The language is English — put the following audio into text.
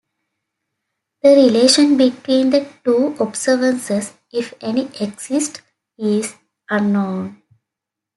The relation between the two observances, if any exists, is unknown.